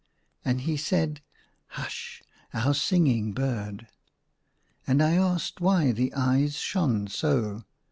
And he said, "Hush! Our singing bird." And I asked why the eyes shone so.